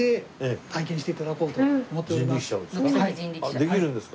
できるんですか？